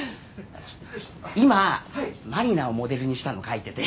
今麻里奈をモデルにしたのを書いてて。